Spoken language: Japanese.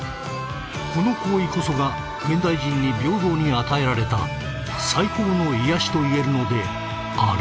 この行為こそが現代人に平等に与えられた最高の癒やしといえるのである